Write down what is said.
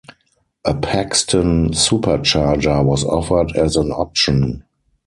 A Paxton supercharger was offered as an option.